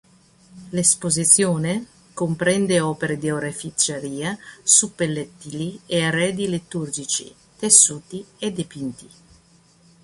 L’esposizione, comprende opere di oreficeria, suppellettili e arredi liturgici, tessuti e dipinti.